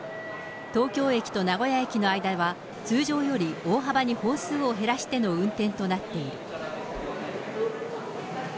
東京駅と名古屋駅の間は、通常より大幅に本数を減らしての運転となっている。